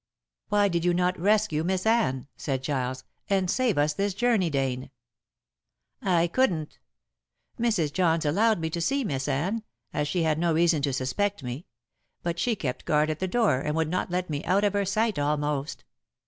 "Why did you not rescue Miss Anne," said Giles, "and save us this journey, Dane?" "I couldn't. Mrs. Johns allowed me to see Miss Anne, as she had no reason to suspect me; but she kept guard at the door, and would not let me out of her sight almost.